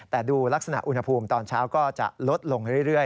แต่ดูลักษณะอุณหภูมิตอนเช้าก็จะลดลงเรื่อย